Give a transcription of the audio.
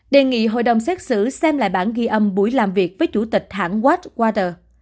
đề nghị hội đồng xét xử xem lại bản ghi âm buổi làm việc với chủ tịch hãng watchwater